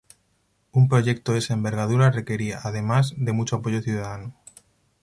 Un proyecto de esa envergadura requería, además, de mucho apoyo ciudadano.